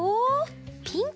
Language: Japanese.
ピンク。